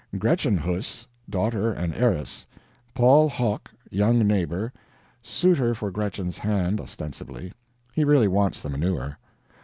Gretchen Huss, daughter and heiress. Paul Hoch, young neighbor, suitor for Gretchen's hand ostensibly; he really wants the manure.